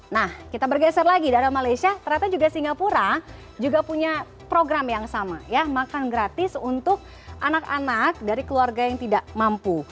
nah kita bergeser lagi dari malaysia ternyata juga singapura juga punya program yang sama ya makan gratis untuk anak anak dari keluarga yang tidak mampu